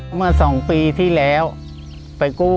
ขอเพียงคุณสามารถที่จะเอ่ยเอื้อนนะครับ